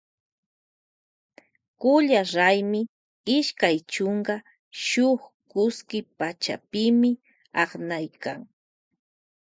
Kulla raymi ishkay chunka shuk kuski pachapimi aknaykan.